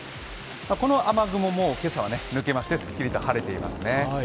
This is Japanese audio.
この雨雲も今朝は抜けまして、すっきりと晴れていますね。